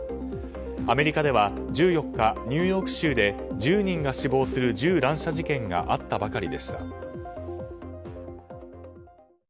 アメリカでは１４日ニューヨーク州で１０人が死亡する銃乱射事件があったばかりでした。